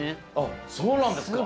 そうなんですか？